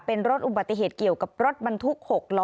เป็นรถอุบัติเหตุเกี่ยวกับรถบรรทุก๖ล้อ